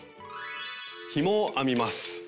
「ひもを編みます」。